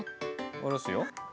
下ろすよ。